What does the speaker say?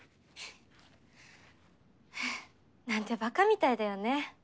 はぁなんてバカみたいだよね。